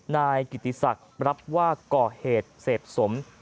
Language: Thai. นายกิติศักดิ์รับว่าก่อเหตุเสพสม